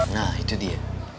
nah itu dia